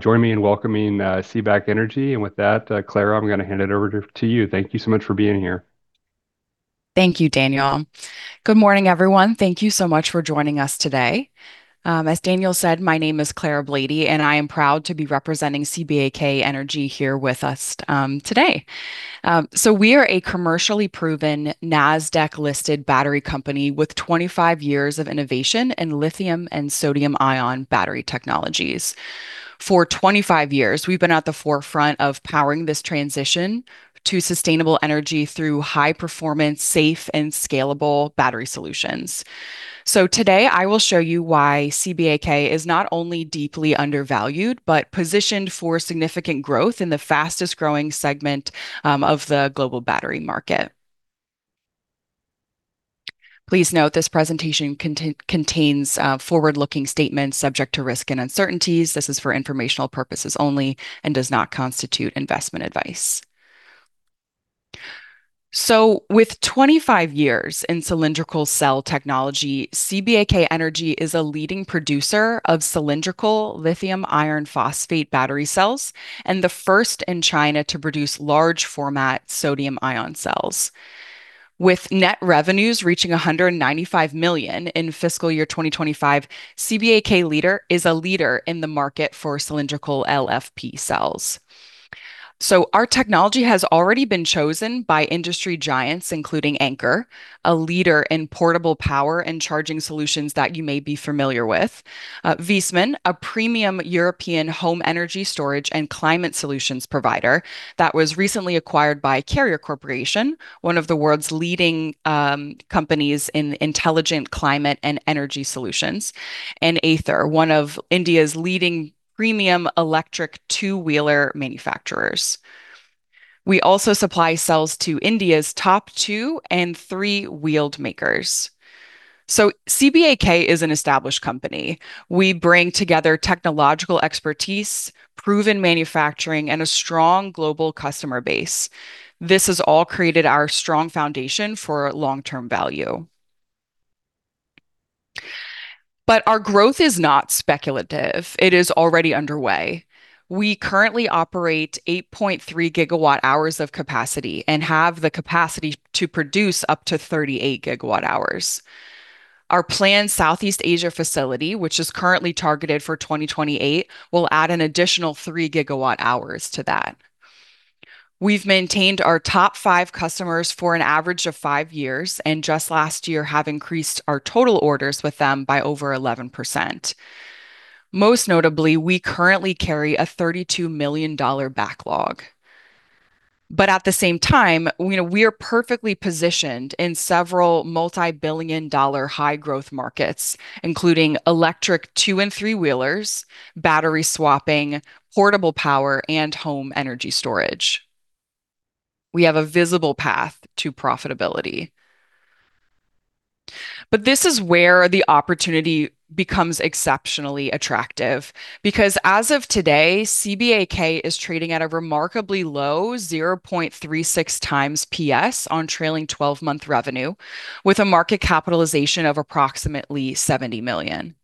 Join me in welcoming CBAK Energy. With that, [Clara], I'm going to hand it over to you. Thank you so much for being here. Thank you, Daniel. Good morning, everyone. Thank you so much for joining us today. As Daniel said, my name is [Clara Blady]. I am proud to be representing CBAK Energy here with us today. We are a commercially proven NASDAQ-listed battery company with 25 years of innovation in lithium and sodium-ion battery technologies. For 25 years, we've been at the forefront of powering this transition to sustainable energy through high-performance, safe, and scalable battery solutions. Today, I will show you why CBAK is not only deeply undervalued but positioned for significant growth in the fastest-growing segment of the global battery market. Please note, this presentation contains forward-looking statements subject to risk and uncertainties. This is for informational purposes only and does not constitute investment advice. With 25 years in cylindrical cell technology, CBAK Energy is a leading producer of cylindrical lithium iron phosphate battery cells and the first in China to produce large format sodium-ion cells. With net revenues reaching $195 million in fiscal year 2025, CBAK is a leader in the market for cylindrical LFP cells. Our technology has already been chosen by industry giants, including Anker, a leader in portable power and charging solutions that you may be familiar with. Viessmann, a premium European home energy storage and climate solutions provider that was recently acquired by Carrier Corporation, one of the world's leading companies in intelligent climate and energy solutions. Ather, one of India's leading premium electric two-wheeler manufacturers. We also supply cells to India's top two and three-wheeled makers. CBAK is an established company. We bring together technological expertise, proven manufacturing, and a strong global customer base. This has all created our strong foundation for long-term value. Our growth is not speculative. It is already underway. We currently operate 8.3 GWh of capacity and have the capacity to produce up to 38 GWh. Our planned Southeast Asia facility, which is currently targeted for 2028, will add an additional 3 GWh to that. We've maintained our top five customers for an average of five years, and just last year have increased our total orders with them by over 11%. Most notably, we currently carry a $32 million backlog. At the same time, we are perfectly positioned in several multi-billion dollar high-growth markets, including electric two and three-wheelers, battery swapping, portable power, and home energy storage. We have a visible path to profitability. This is where the opportunity becomes exceptionally attractive, because as of today, CBAK is trading at a remarkably low 0.36x P/S on trailing 12-month revenue, with a market capitalization of approximately $70 million.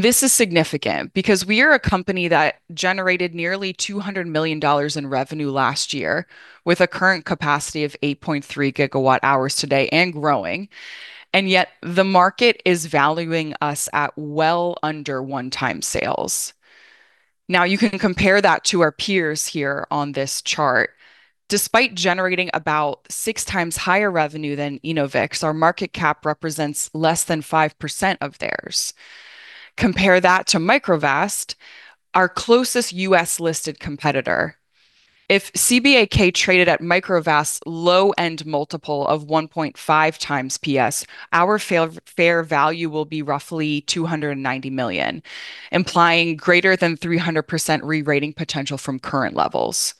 This is significant because we are a company that generated nearly $200 million in revenue last year with a current capacity of 8.3 GWh today and growing. Yet the market is valuing us at well under one-time sales. You can compare that to our peers here on this chart. Despite generating about 6x higher revenue than Enovix, our market cap represents less than 5% of theirs. Compare that to Microvast, our closest U.S.-listed competitor. If CBAK traded at Microvast's low-end multiple of 1.5x P/S, our fair value will be roughly $290 million, implying greater than 300% rerating potential from current levels.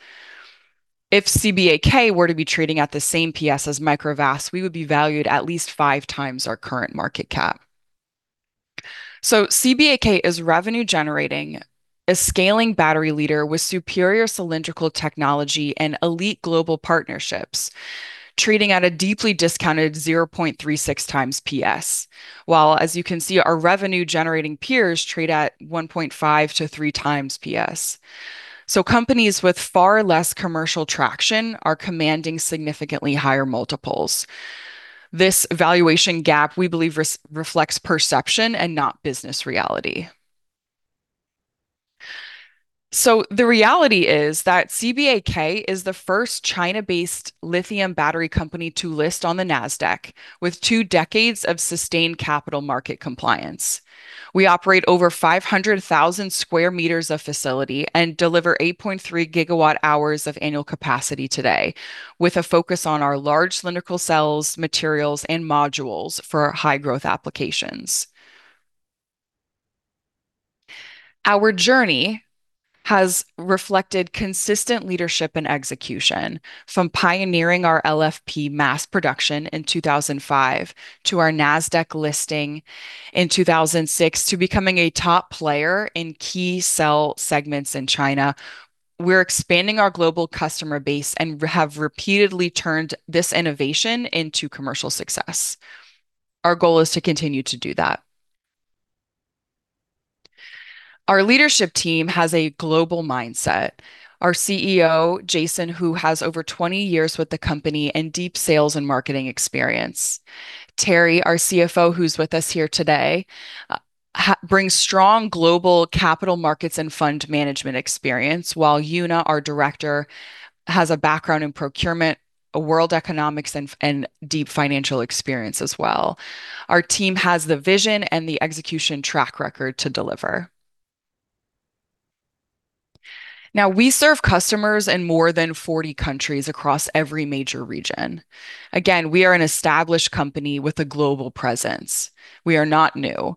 If CBAK were to be trading at the same P/S as Microvast, we would be valued at least 5x our current market cap. CBAK is revenue-generating, a scaling battery leader with superior cylindrical technology and elite global partnerships, trading at a deeply discounted 0.36x P/S. While as you can see, our revenue-generating peers trade at 1.5x to 3x P/S. Companies with far less commercial traction are commanding significantly higher multiples. This valuation gap, we believe, reflects perception and not business reality. The reality is that CBAK is the first China-based lithium battery company to list on the NASDAQ, with two decades of sustained capital market compliance. We operate over 500,000 sq me of facility and deliver 8.3 GWh of annual capacity today, with a focus on our large cylindrical cells, materials, and modules for high-growth applications. Our journey has reflected consistent leadership and execution, from pioneering our LFP mass production in 2005 to our NASDAQ listing in 2006 to becoming a top player in key cell segments in China. We're expanding our global customer base and have repeatedly turned this innovation into commercial success. Our goal is to continue to do that. Our leadership team has a global mindset. Our CEO, Jason, who has over 20 years with the company and deep sales and marketing experience, Thierry, our CFO, who's with us here today, brings strong global capital markets and fund management experience, while Yuna, our Director, has a background in procurement, world economics, and deep financial experience as well. Our team has the vision and the execution track record to deliver. We serve customers in more than 40 countries across every major region. We are an established company with a global presence. We are not new.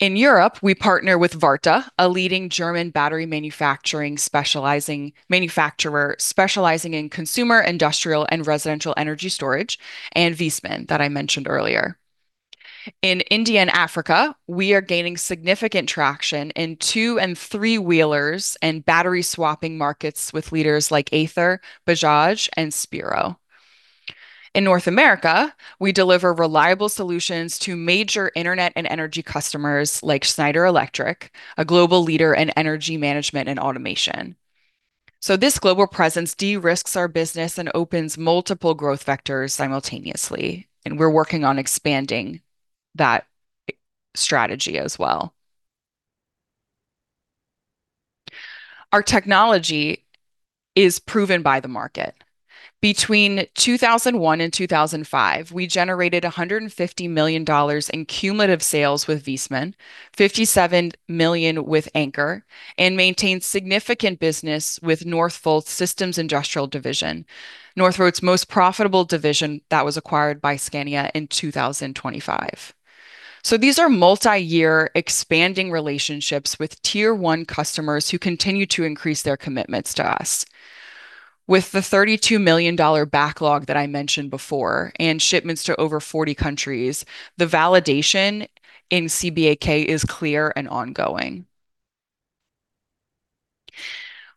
In Europe, we partner with VARTA, a leading German battery manufacturer specializing in consumer, industrial, and residential energy storage, and Viessmann, that I mentioned earlier. In India and Africa, we are gaining significant traction in two- and three-wheelers and battery-swapping markets with leaders like Ather, Bajaj, and Spiro. In North America, we deliver reliable solutions to major internet and energy customers like Schneider Electric, a global leader in energy management and automation. This global presence de-risks our business and opens multiple growth vectors simultaneously, and we're working on expanding that strategy as well. Our technology is proven by the market. Between 2001 and 2005, we generated $150 million in cumulative sales with Viessmann, $57 million with Anker, and maintained significant business with Northvolt's systems and industrial division, Northvolt's most profitable division that was acquired by Scania in 2025. These are multi-year expanding relationships with Tier 1 customers who continue to increase their commitments to us. With the $32 million backlog that I mentioned before, and shipments to over 40 countries, the validation in CBAK is clear and ongoing.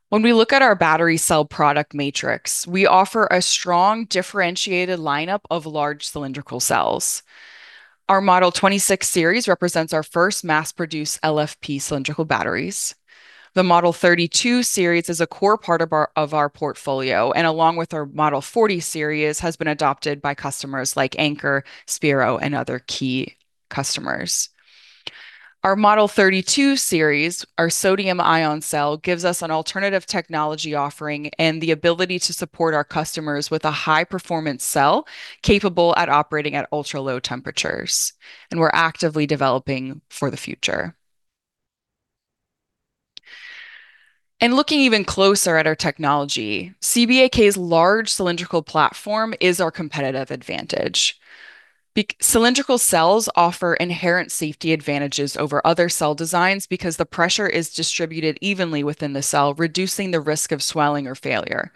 When we look at our battery cell product matrix, we offer a strong, differentiated lineup of large cylindrical cells. Our Model 26 series represents our first mass-produced LFP cylindrical batteries. The Model 32 series is a core part of our portfolio, and along with our Model 40 series, has been adopted by customers like Anker, Spiro, and other key customers. Our Model 32 series, our sodium-ion cell, gives us an alternative technology offering and the ability to support our customers with a high-performance cell capable at operating at ultra-low temperatures, and we're actively developing for the future. Looking even closer at our technology, CBAK's large cylindrical platform is our competitive advantage. Cylindrical cells offer inherent safety advantages over other cell designs because the pressure is distributed evenly within the cell, reducing the risk of swelling or failure.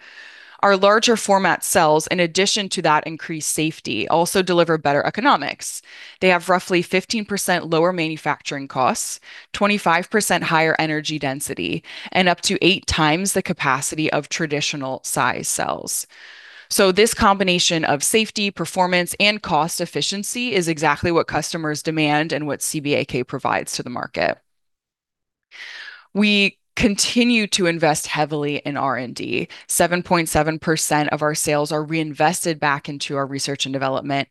Our larger format cells, in addition to that increased safety, also deliver better economics. They have roughly 15% lower manufacturing costs, 25% higher energy density, and up to 8x the capacity of traditional-size cells. This combination of safety, performance, and cost efficiency is exactly what customers demand and what CBAK provides to the market. We continue to invest heavily in R&D. 7.7% of our sales are reinvested back into our research and development.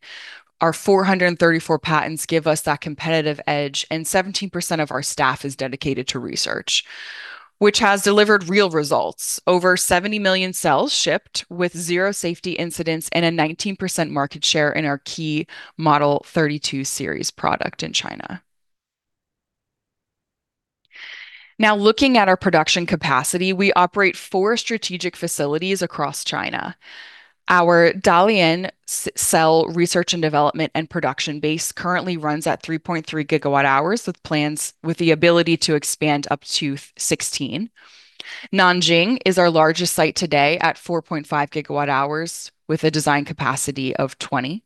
Our 434 patents give us that competitive edge, and 17% of our staff is dedicated to research, which has delivered real results. Over 70 million cells shipped with zero safety incidents and a 19% market share in our key Model 32 series product in China. Now looking at our production capacity, we operate four strategic facilities across China. Our Dalian cell research and development and production base currently runs at 3.3 GWh with the ability to expand up to 16 GWh. Nanjing is our largest site today at 4.5 GWh with a design capacity of 20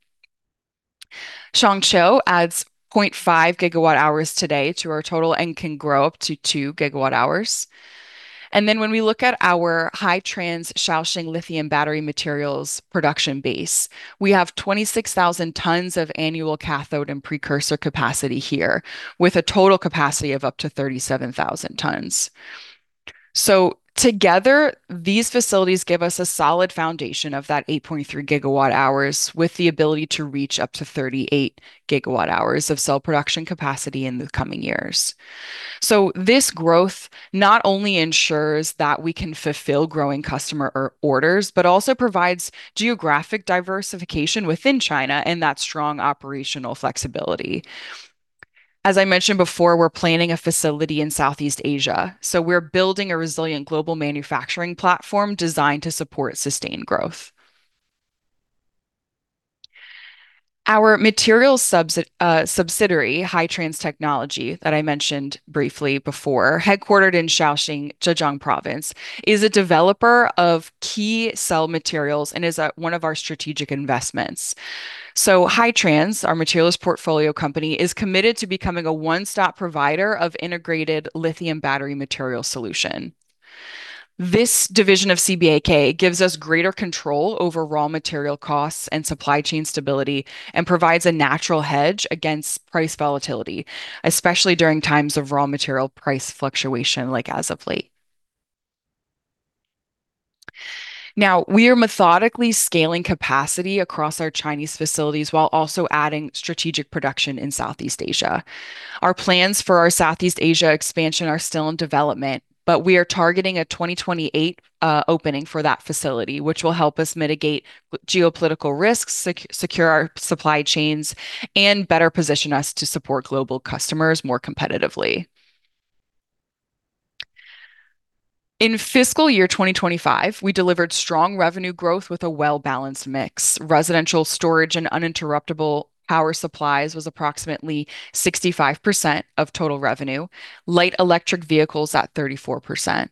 GWh. Changzhou adds 0.5 GWh today to our total and can grow up to 2 GWh. When we look at our Hitrans Shaoxing Lithium Battery materials production base, we have 26,000 tons of annual cathode and precursor capacity here, with a total capacity of up to 37,000 tons. Together, these facilities give us a solid foundation of that 8.3 GWh with the ability to reach up to 38 GWh of cell production capacity in the coming years. This growth not only ensures that we can fulfill growing customer orders, but also provides geographic diversification within China and that strong operational flexibility. As I mentioned before, we're planning a facility in Southeast Asia. We're building a resilient global manufacturing platform designed to support sustained growth. Our materials subsidiary, Hitrans Technology, that I mentioned briefly before, headquartered in Shaoxing, Zhejiang Province, is a developer of key cell materials and is one of our strategic investments. Hitrans, our materials portfolio company, is committed to becoming a one-stop provider of integrated lithium battery material solution. This division of CBAK gives us greater control over raw material costs and supply chain stability, and provides a natural hedge against price volatility, especially during times of raw material price fluctuation like as of late. We are methodically scaling capacity across our Chinese facilities while also adding strategic production in Southeast Asia. Our plans for our Southeast Asia expansion are still in development, but we are targeting a 2028 opening for that facility, which will help us mitigate geopolitical risks, secure our supply chains, and better position us to support global customers more competitively. In fiscal year 2025, we delivered strong revenue growth with a well-balanced mix. Residential storage and uninterruptible power supplies was approximately 65% of total revenue, light electric vehicles at 34%.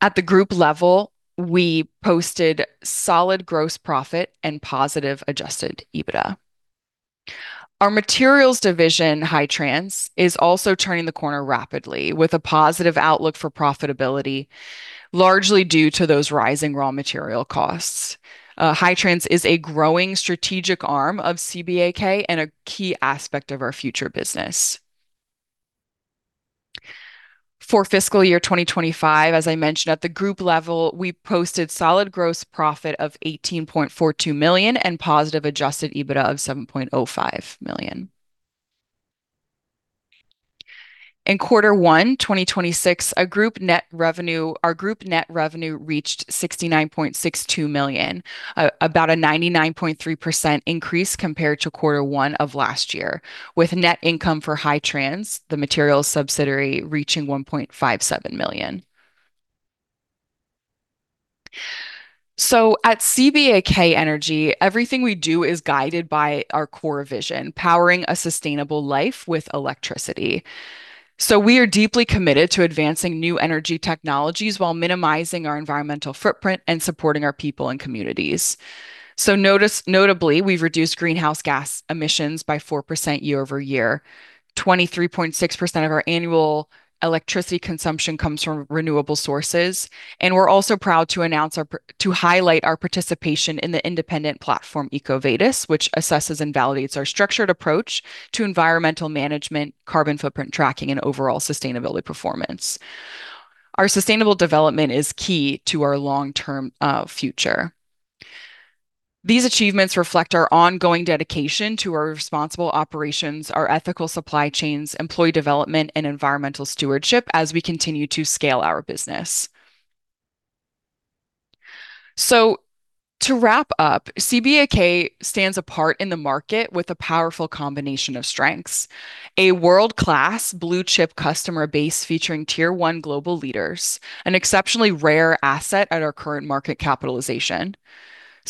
At the Group level, we posted solid gross profit and positive adjusted EBITDA. Our materials division, Hitrans, is also turning the corner rapidly with a positive outlook for profitability, largely due to those rising raw material costs. Hitrans is a growing strategic arm of CBAK and a key aspect of our future business. For fiscal year 2025, as I mentioned at the Group level, we posted solid gross profit of $18.42 million and positive adjusted EBITDA of $7.05 million. In quarter one 2026, our Group net revenue reached $69.62 million, about a 99.3% increase compared to quarter one of last year, with net income for Hitrans, the materials subsidiary, reaching $1.57 million. At CBAK Energy, everything we do is guided by our core vision, powering a sustainable life with electricity. We are deeply committed to advancing new energy technologies while minimizing our environmental footprint and supporting our people and communities. Notably, we've reduced greenhouse gas emissions by 4% year-over-year. 23.6% of our annual electricity consumption comes from renewable sources, and we're also proud to highlight our participation in the independent platform EcoVadis, which assesses and validates our structured approach to environmental management, carbon footprint tracking, and overall sustainability performance. Our sustainable development is key to our long-term future. These achievements reflect our ongoing dedication to our responsible operations, our ethical supply chains, employee development, and environmental stewardship as we continue to scale our business. To wrap up, CBAK stands apart in the market with a powerful combination of strengths. A world-class blue chip customer base featuring Tier 1 global leaders, an exceptionally rare asset at our current market capitalization,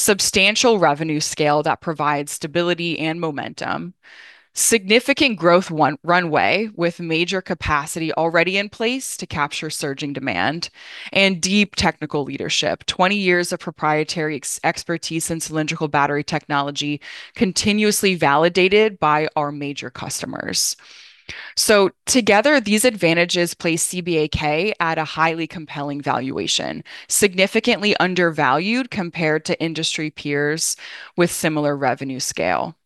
substantial revenue scale that provides stability and momentum, significant growth runway with major capacity already in place to capture surging demand, and deep technical leadership. 20 years of proprietary expertise in cylindrical battery technology, continuously validated by our major customers. Together, these advantages place CBAK at a highly compelling valuation, significantly undervalued compared to industry peers with similar revenue scale.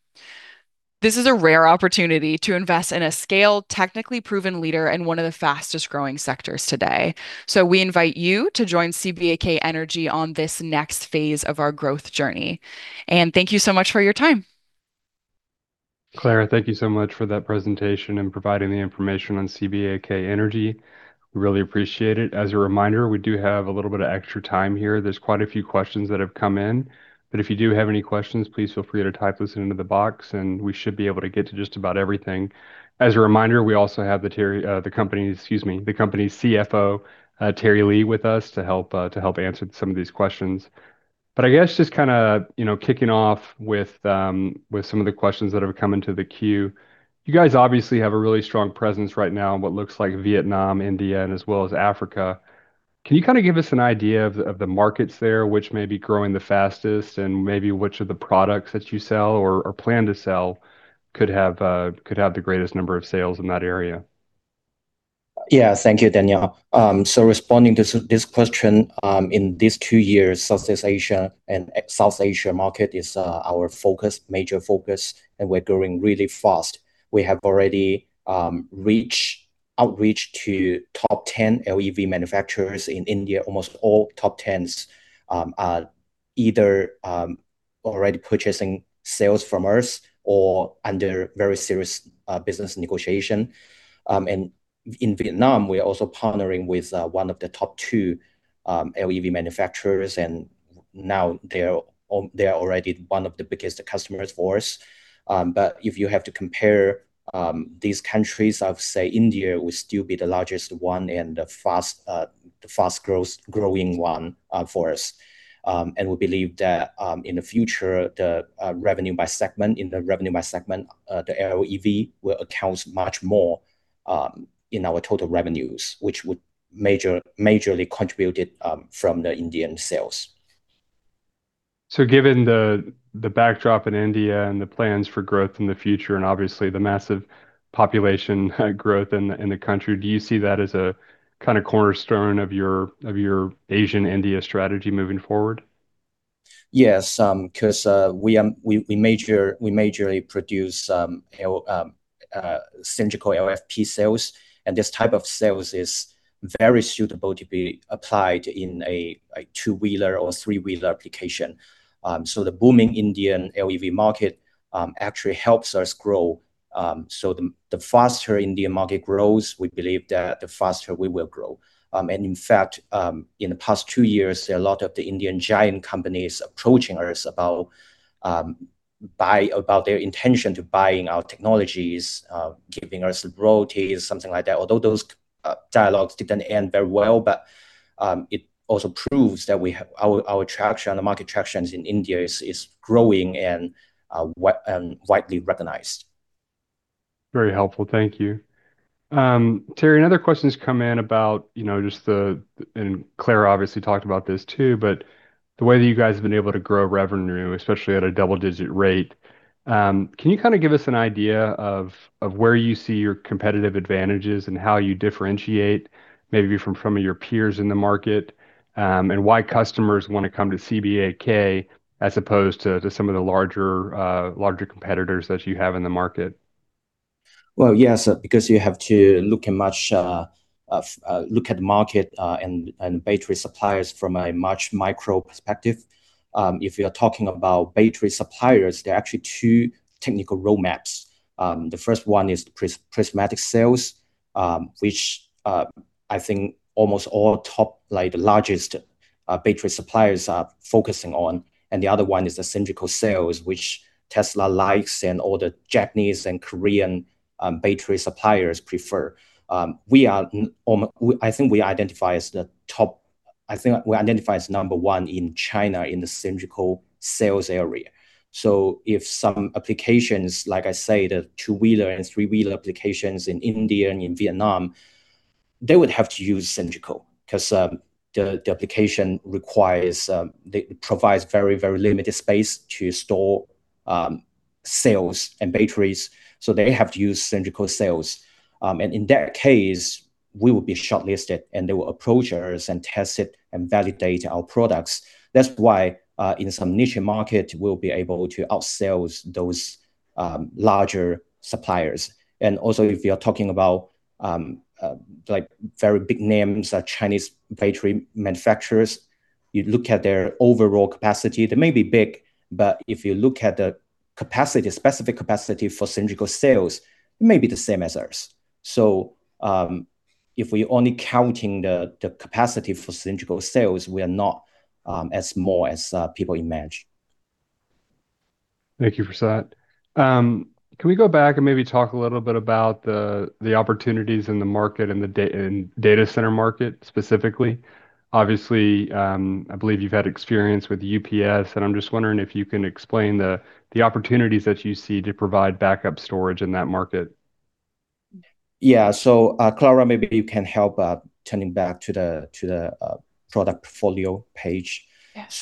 This is a rare opportunity to invest in a scaled, technically proven leader in one of the fastest-growing sectors today. We invite you to join CBAK Energy on this next phase of our growth journey, and thank you so much for your time. [Clara], thank you so much for that presentation and providing the information on CBAK Energy. We really appreciate it. As a reminder, we do have a little bit of extra time here. There's quite a few questions that have come in. If you do have any questions, please feel free to type those into the box and we should be able to get to just about everything. As a reminder, we also have the company's CFO, Thierry Li, with us to help answer some of these questions. I guess just kicking off with some of the questions that have come into the queue. You guys obviously have a really strong presence right now in what looks like Vietnam, India, and as well as Africa. Can you give us an idea of the markets there, which may be growing the fastest and maybe which of the products that you sell or plan to sell could have the greatest number of sales in that area? Thank you, Daniel. Responding to this question, in these two years, Southeast Asia and South Asia market is our major focus, and we're growing really fast. We have already outreached to top 10 LEV manufacturers in India. Almost all top 10s are either already purchasing sales from us or under very serious business negotiation. In Vietnam, we're also partnering with one of the top two LEV manufacturers, and now they are already one of the biggest customers for us. If you have to compare these countries, I would say India will still be the largest one and the fast-growing one for us. We believe that in the future, in the revenue by segment, the LEV will account much more in our total revenues, which would majorly contributed from the Indian sales. Given the backdrop in India and the plans for growth in the future, and obviously the massive population growth in the country, do you see that as a cornerstone of your Asian India strategy moving forward? Yes, because we majorly produce cylindrical LFP cells, this type of cells is very suitable to be applied in a two-wheeler or three-wheeler application. The booming Indian LEV market actually helps us grow. The faster Indian market grows, we believe that the faster we will grow. In fact, in the past two years, a lot of the Indian giant companies approaching us about their intention to buying our technologies, giving us royalties, something like that. Although those dialogues didn't end very well, it also proves that our traction, the market traction in India is growing and widely recognized. Very helpful. Thank you, Thierry. Another question come in about just the, and [Clara] obviously talked about this too, but the way that you guys have been able to grow revenue, especially at a double-digit rate. Can you give us an idea of where you see your competitive advantages and how you differentiate maybe from some of your peers in the market, and why customers want to come to CBAK as opposed to some of the larger competitors that you have in the market? Well, yes, because you have to look at market and battery suppliers from a much micro perspective. If you're talking about battery suppliers, there are actually two technical roadmaps. The first one is prismatic cells, which I think almost all top largest battery suppliers are focusing on, and the other one is the cylindrical cells, which Tesla likes and all the Japanese and Korean battery suppliers prefer. I think we identify as number one in China in the cylindrical cells area. If some applications, like I say, the two-wheeler and three-wheeler applications in India and in Vietnam, they would have to use cylindrical because the application provides very limited space to store cells and batteries, so they have to use cylindrical cells. In that case, we will be shortlisted, and they will approach us and test it and validate our products. That's why in some niche market, we'll be able to outsell those larger suppliers. Also, if you are talking about very big names like Chinese battery manufacturers, you look at their overall capacity, they may be big, but if you look at the specific capacity for cylindrical cells, it may be the same as ours. If we only counting the capacity for cylindrical cells, we are not as more as people imagine. Thank you for that. Can we go back and maybe talk a little bit about the opportunities in the market and data center market specifically? Obviously, I believe you've had experience with UPS, and I'm just wondering if you can explain the opportunities that you see to provide backup storage in that market. Yeah. [Clara], maybe you can help turning back to the product portfolio page. Yes.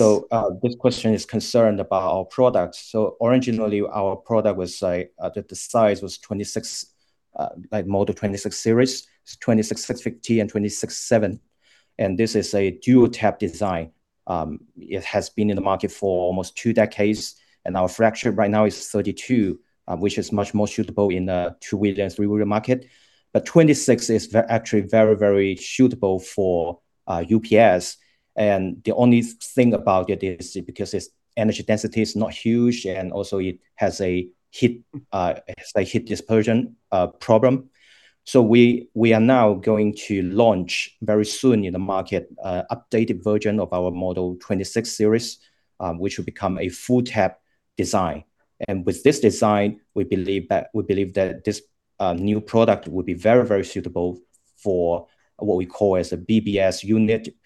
This question is concerned about our products. Originally our product was, the size was Model 26 series, 26650 and 26700, and this is a dual-tab design. It has been in the market for almost two decades, our focus right now is 32, which is much more suitable in the two-wheeler and three-wheeler market. 26 is actually very suitable for UPS, the only thing about it is because its energy density is not huge and also it has a heat dispersion problem. We are now going to launch very soon in the market, updated version of our Model 26 series, which will become a full-tab design. With this design, we believe that this new product will be very suitable for what we call as a BBU unit,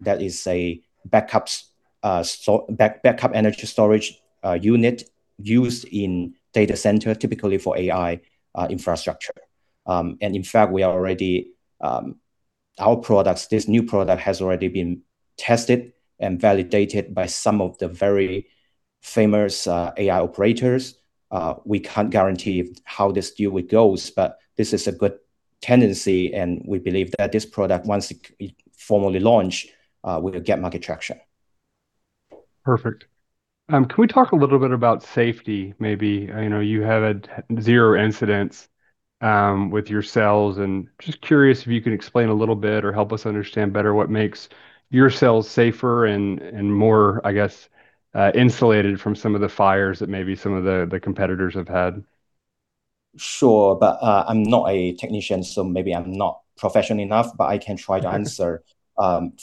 that is a backup energy storage unit used in data center, typically for AI infrastructure. In fact, our products, this new product, has already been tested and validated by some of the very famous AI operators. We can't guarantee how this deal goes, but this is a good tendency, and we believe that this product, once it formally launch, we will get market traction. Perfect. Can we talk a little bit about safety, maybe? You had zero incidents with your cells, and just curious if you can explain a little bit or help us understand better what makes your cells safer and more, I guess, insulated from some of the fires that maybe some of the competitors have had? Sure. I'm not a technician, so maybe I'm not professional enough, but I can try to answer.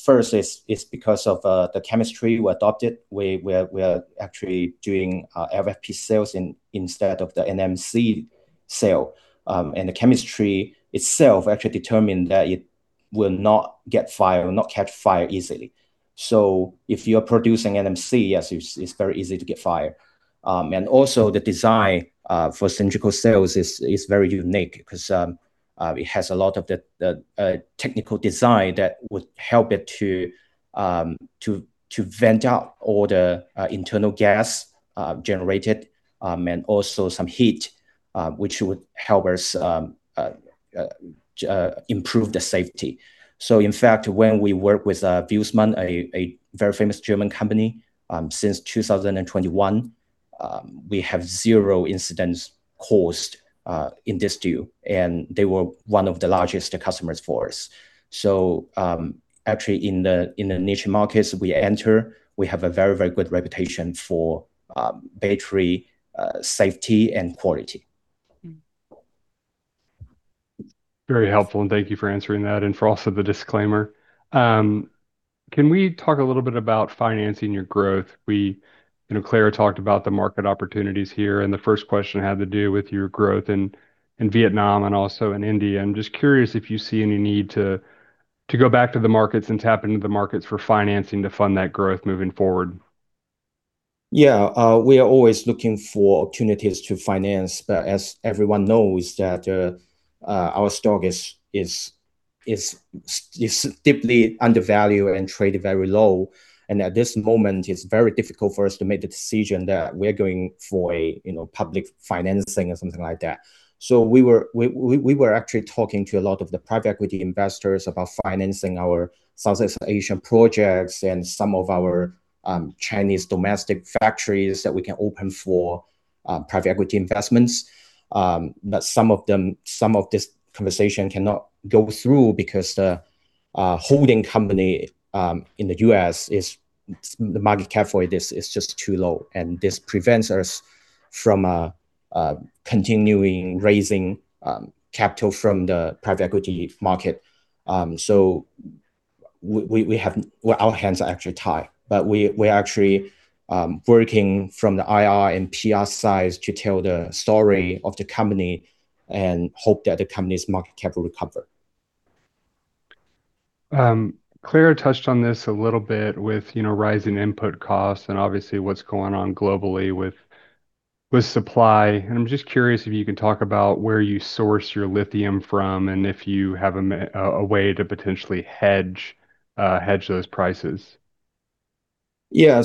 First, it's because of the chemistry we adopted. We're actually doing LFP cells instead of the NMC cell. The chemistry itself actually determined that it will not catch fire easily. If you're producing NMC, yes, it's very easy to catch fire. Also the design for cylindrical cells is very unique because it has a lot of the technical design that would help it to vent out all the internal gas generated, and also some heat, which would help us improve the safety. In fact, when we work with Viessmann, a very famous German company, since 2021, we have zero incidents caused in this deal, and they were one of the largest customers for us. Actually in the niche markets we enter, we have a very good reputation for battery safety and quality. Very helpful. Thank you for answering that, and for also the disclaimer. Can we talk a little bit about financing your growth? I know [Clara] talked about the market opportunities here. The first question had to do with your growth in Vietnam and also in India. I'm just curious if you see any need to go back to the markets and tap into the markets for financing to fund that growth moving forward. Yeah. We are always looking for opportunities to finance, but as everyone knows that our stock is deeply undervalued and traded very low. At this moment, it's very difficult for us to make the decision that we're going for a public financing or something like that. We were actually talking to a lot of the private equity investors about financing our Southeast Asian projects and some of our Chinese domestic factories that we can open for private equity investments. Some of this conversation cannot go through because the holding company in the U.S., the market cap for this is just too low, and this prevents us from continuing raising capital from the private equity market. Our hands are actually tied, but we're actually working from the IR and PR side to tell the story of the company and hope that the company's market cap will recover. [Clara] touched on this a little bit with rising input costs and obviously what's going on globally with supply, and I'm just curious if you can talk about where you source your lithium from and if you have a way to potentially hedge those prices? Yeah.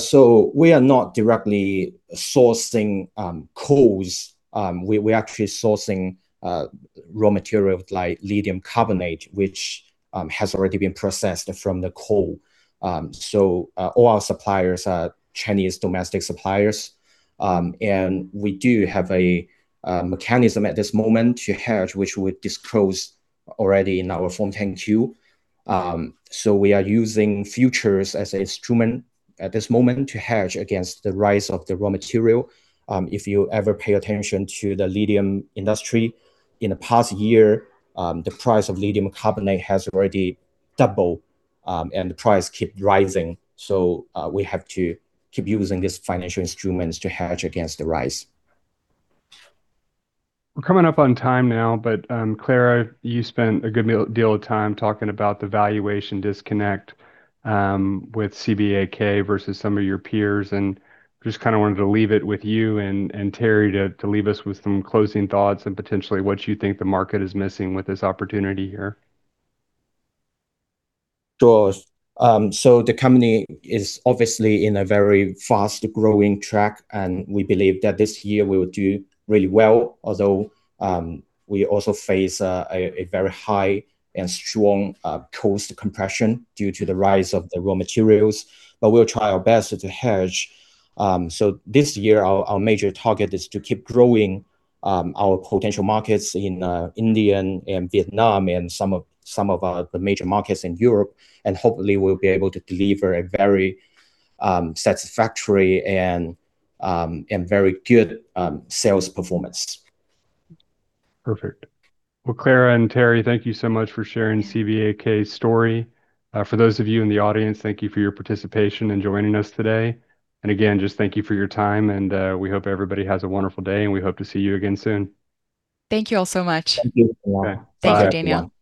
We are not directly sourcing coals. We are actually sourcing raw material like lithium carbonate, which has already been processed from the coal. All our suppliers are Chinese domestic suppliers. We do have a mechanism at this moment to hedge, which we disclosed already in our Form 10-Q. We are using futures as an instrument at this moment to hedge against the rise of the raw material. If you ever pay attention to the lithium industry, in the past one year, the price of lithium carbonate has already doubled, and the price keep rising. We have to keep using these financial instruments to hedge against the rise. We're coming up on time now, [Clara], you spent a good deal of time talking about the valuation disconnect with CBAK versus some of your peers. Just kind of wanted to leave it with you and Thierry to leave us with some closing thoughts and potentially what you think the market is missing with this opportunity here. Sure. The company is obviously in a very fast-growing track, and we believe that this year we will do really well, although, we also face a very high and strong cost compression due to the rise of the raw materials. We'll try our best to hedge. This year, our major target is to keep growing our potential markets in India and Vietnam and some of the major markets in Europe, and hopefully, we'll be able to deliver a very satisfactory and very good sales performance. Perfect. Well, [Clara] and Thierry, thank you so much for sharing CBAK's story. For those of you in the audience, thank you for your participation and joining us today. Again, just thank you for your time and we hope everybody has a wonderful day, and we hope to see you again soon. Thank you all so much. Thank you. Okay. Bye. Thank you, Daniel.